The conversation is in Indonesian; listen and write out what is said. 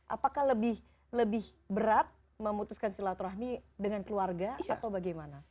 apakah lebih berat memutuskan silaturahmi dengan keluarga atau bagaimana